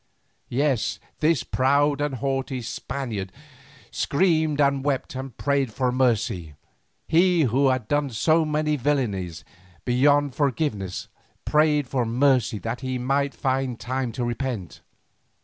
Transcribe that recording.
Yes, this proud and haughty Spaniard screamed and wept and prayed for mercy; he who had done so many villanies beyond forgiveness, prayed for mercy that he might find time to repent.